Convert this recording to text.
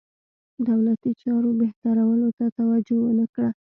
دولتي چارو بهترولو ته توجه ونه کړه.